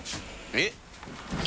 えっ？